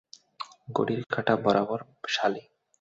ঘড়ির কাটা বরাবর, সালি?